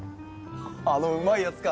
あのうまいやつか！